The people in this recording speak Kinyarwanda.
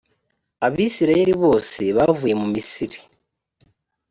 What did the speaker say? abisirayeli bose bavuye mu misiri